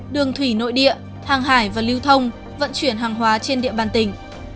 đường thủy nội địa hàng hải và lưu thông vận chuyển hàng hóa trên địa bàn tỉnh